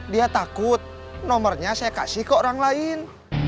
dia takut nomornya saya kasih ke orang lain